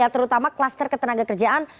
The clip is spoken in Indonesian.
terutama kluster ketenaga kerjaan